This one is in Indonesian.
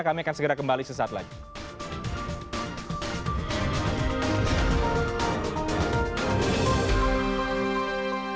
kami akan segera kembali sesaat lagi